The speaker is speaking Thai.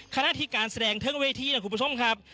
คณะที่การแสดงเทิงเวทีถูกประสงค์ครับ